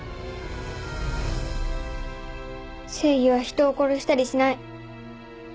正義は人を殺したりしない。